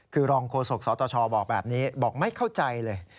คือรองโฆษกสตชบอกแบบนี้บอกไม่เข้าใจเลย